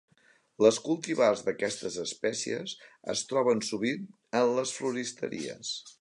Les cultivars d'aquestes espècies es troben sovint en les floristeries.